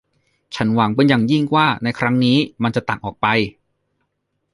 ฉันหวังเป็นอย่างยิ่งว่าในครั้งนี้มันจะต่างออกไป